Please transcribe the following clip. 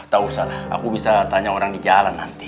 tahu salah aku bisa tanya orang di jalan nanti